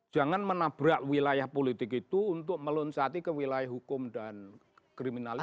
jangan menabrak wilayah politik itu untuk meluncati ke wilayah hukum dan kriminalisasi